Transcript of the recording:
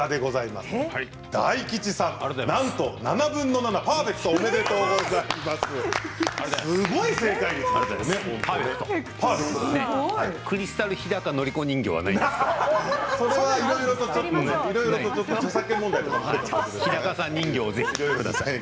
すごい正解率ですね。